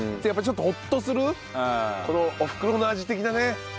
やっぱちょっとホッとするこのおふくろの味的なね。